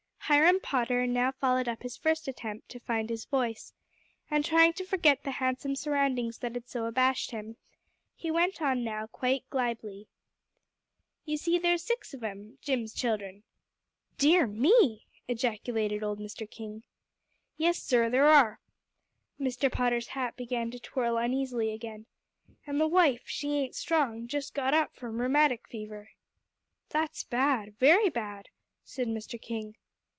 Hiram Potter now followed up his first attempt to find his voice; and trying to forget the handsome surroundings that had so abashed him, he went on now quite glibly. "You see, sir, there's six of 'em Jim's children." "Dear me!" ejaculated old Mr. King. "Yes, sir, there are." Mr. Potter's hat began to twirl uneasily again. "And the wife she ain't strong, just got up from rheumatic fever." "That's bad very bad," said Mr. King.